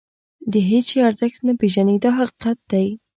د هېڅ شي ارزښت نه پېژني دا حقیقت دی.